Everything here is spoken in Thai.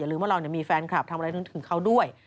ลืมว่าเรามีแฟนคลับทำอะไรถึงเขาด้วย